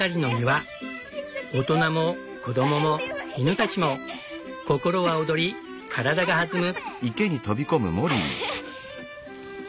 大人も子供も犬たちも心は躍り体が弾む。